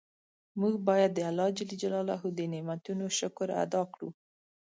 مونږ باید د الله ج د نعمتونو شکر ادا کړو.